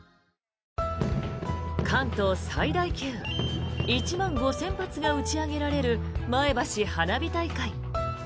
関東最大級１万５０００発が打ち上げられる前橋花火大会。